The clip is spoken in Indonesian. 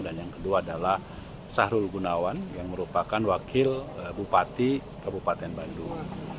dan yang kedua adalah sahrul gunawan yang merupakan wakil bupati kabupaten bandung